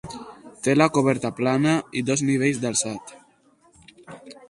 Té la coberta plana i dos nivells d'alçat.